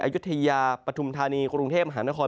อยุธยาปัททุมธานีฯกรุงเทพศ์มหานคร